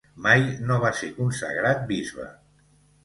Mai no va ser consagrat bisbe.